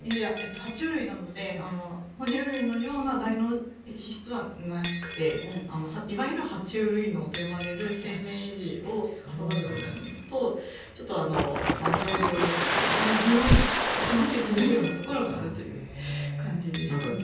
爬虫類なので哺乳類のような大脳皮質はなくていわゆる爬虫類脳といわれる生命維持をつかさどる部分と情動の痕跡のようなところがあるという感じですね。